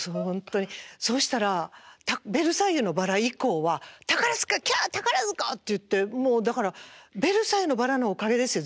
そしたら「ベルサイユのばら」以降は「タカラヅカキャタカラヅカ！」って言ってもうだから「ベルサイユのばら」のおかげですよ